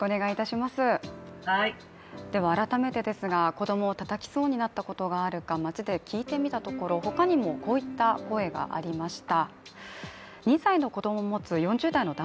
子どもをたたきそうになったことがあるか街で聞いてみたところ他にも、こういった声がありました。